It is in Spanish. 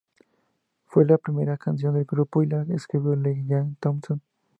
Fue la primera canción del grupo y la escribió Lee Jay Thompson.